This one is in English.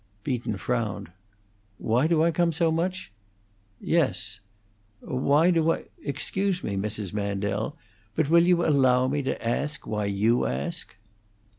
Beaton frowned. "Why do I come so much?" "Yes." "Why do I Excuse me, Mrs. Mandel, but will you allow me to ask why you ask?"